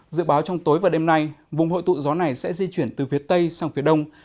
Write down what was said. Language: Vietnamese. dự báo trong tối và đêm nay vùng hội tụ gió này sẽ di chuyển từ phía tây sang phía đông